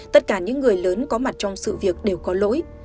tất cả những người lớn có mặt trong sự việc đều có lỗi